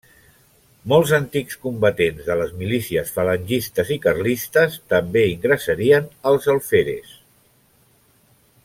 Molts antics combatents de les milícies falangistes i carlistes també ingressarien als alferes.